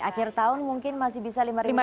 akhir tahun mungkin masih bisa lima ratus